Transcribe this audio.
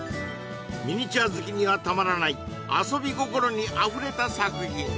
ミニチュア好きにはたまらない遊び心にあふれた作品